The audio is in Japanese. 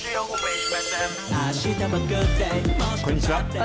こんにちは。